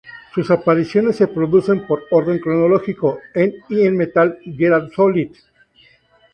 Sus apariciones se producen, por orden cronológico, en y en Metal Gear Solid.